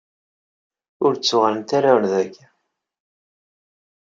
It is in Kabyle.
Ur d-ttuɣalent ara ɣer dagi.